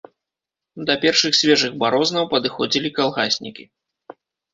Да першых свежых барознаў падыходзілі калгаснікі.